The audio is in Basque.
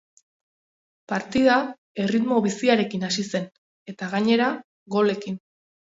Partida erritmo biziarekin hasi zen eta gainera golekin.